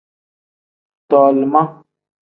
Tolima.